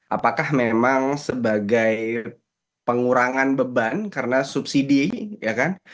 apakah memang sebagai pengurangan beban karena subsidi ya kan